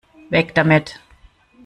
Weg damit!